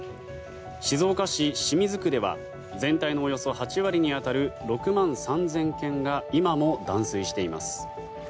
静岡市清水区では全体のおよそ８割に当たる６万３０００軒が今も断水しています。